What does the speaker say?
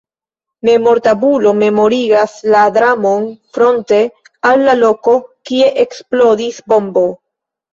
Memortabulo memorigas la dramon fronte al la loko kie eksplodis bombo.